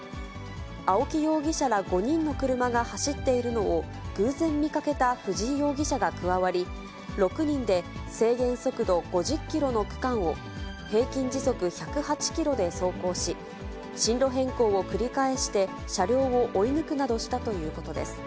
青木容疑者ら５人の車が走っているのを、偶然見かけた藤井容疑者が加わり、６人で制限速度５０キロの区間を、平均時速１０８キロで走行し、進路変更を繰り返して、車両を追い抜くなどしたということです。